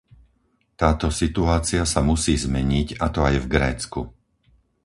Táto situácia sa musí zmeniť, a to aj v Grécku.